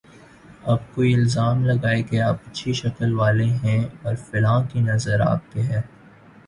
اب کوئی الزام لگائے کہ آپ اچھی شکل والے ہیں اور فلاں کی نظر آپ پہ ہے۔